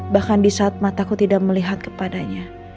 bahkan di saat mataku tidak melihat kepadanya